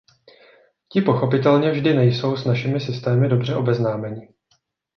Ti pochopitelně vždy nejsou s našimi systémy dobře obeznámeni.